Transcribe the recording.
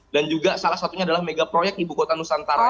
dan juga salah satunya adalah mega proyek di bukotan nusantara